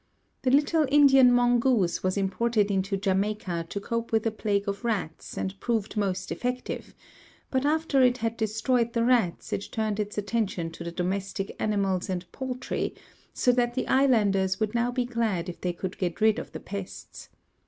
The little Indian mongoose was imported into Jamaica to cope with a plague of rats and proved most effective, but after it had destroyed the rats it turned its attention to the domestic animals and poultry, so that the islanders would now be glad if they could get rid of the pests.